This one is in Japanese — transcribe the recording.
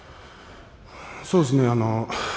そうですね